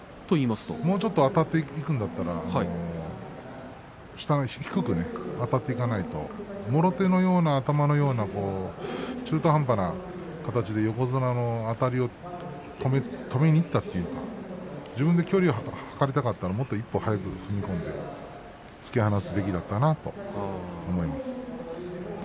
もうちょっとあたっていくんだったら下、低くあたっていかないともろ手のような、頭のような中途半端な形で横綱のあたりを止めにいったというか自分で距離を測りたかったらもっと一歩早く踏み込んで突き放すべきだったなと思います。